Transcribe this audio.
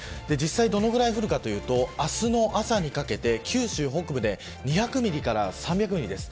どのぐらい降るかというと明日の朝にかけて九州北部で２００ミリから３００ミリです。